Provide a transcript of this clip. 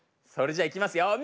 それじゃいきますよ！